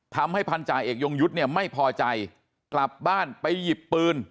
พันธาเอกยงยุทธ์เนี่ยไม่พอใจกลับบ้านไปหยิบปืน